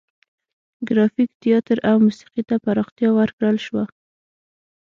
ګرافیک، تیاتر او موسیقي ته پراختیا ورکړل شوه.